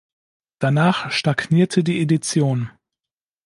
Danach stagnierte die Edition.